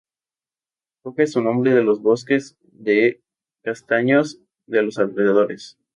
Coge su nombre de los bosques de castaños de los alrededores.